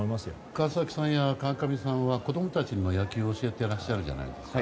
川崎さんや川上さんは子供たちにも野球を教えてらっしゃるじゃないですか。